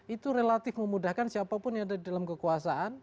itu relatif memudahkan siapapun yang ada di dalam kekuasaan